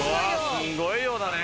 すんごい量だね！